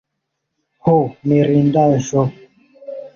ho mirindaĵo!